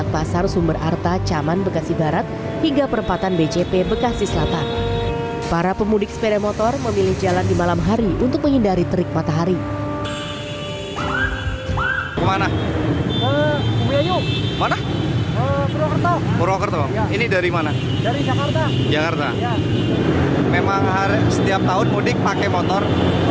pemudik sepeda motor